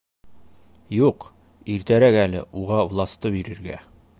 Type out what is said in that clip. Юҡ, иртәрәк әле уға власты бирергә!